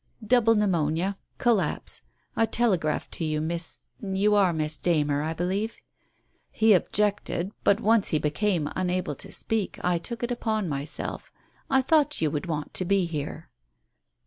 "Double pneumonia. Collapse. I telegraphed to you, Miss — you are Miss Darner, I believe? He objected, but when once he became unable to speak, I took it upon myself. I thought you would want to be here."